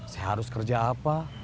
saya harus kerja apa